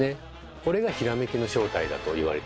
これがひらめきの正体だと言われています。